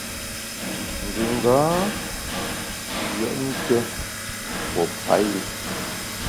Ngùnga yùet nké pue payù.